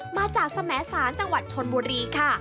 มาจากสมสารจังหวัดชนบุรีค่ะ